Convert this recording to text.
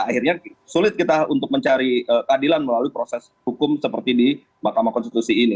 akhirnya sulit kita untuk mencari keadilan melalui proses hukum seperti di mahkamah konstitusi ini